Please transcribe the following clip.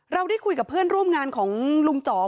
เราได้คุยกับเพื่อนร่วมงานของลุงจ๋อม